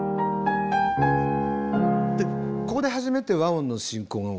ここで初めて和音の進行が起きます。